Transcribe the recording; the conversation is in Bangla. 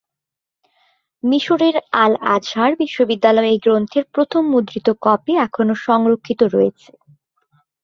মিসরের আল-আজহার বিশ্ববিদ্যালয়ে এ গ্রন্থের প্রথম মুদ্রিত কপি এখনও সংরক্ষিত রয়েছে।